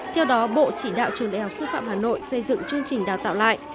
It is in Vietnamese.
theo đó bộ chỉ đạo trường đại học xúc phạm hà nội xây dựng chương trình đào tạo lại